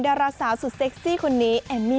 ดาราสาวสุดเซ็กซี่คนนี้เอมมี่